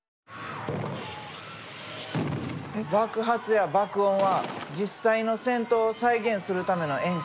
爆発や爆音は実際の戦闘を再現するための演出。